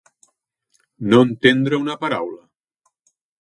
No entendre una paraula.